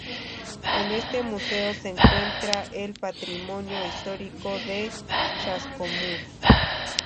En este Museo se encuentra el patrimonio histórico de Chascomús.